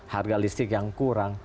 harga listrik yang kurang